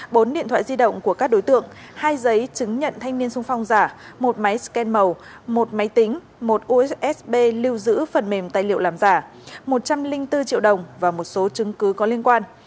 bốn điện thoại di động của các đối tượng hai giấy chứng nhận thanh niên sung phong giả một máy scan màu một máy tính một usb lưu giữ phần mềm tài liệu làm giả một trăm linh bốn triệu đồng và một số chứng cứ có liên quan